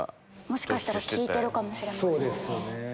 もしかしたら効いてるかもしれませんね。